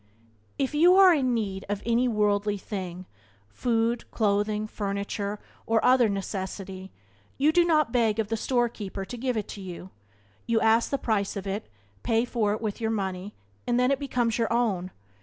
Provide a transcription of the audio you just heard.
If you are in need of any worldly thing — food, clothing, furniture, or other necessary — you do not beg of the storekeeper to give it to you; you ask the price of it, pay for it with your money, and then it becomes your own.